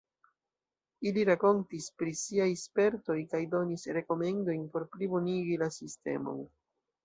Ili rakontis pri siaj spertoj kaj donis rekomendojn por plibonigi la sistemon.